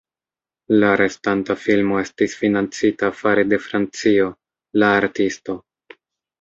La restanta filmo estis financita fare de Francio: "La Artisto".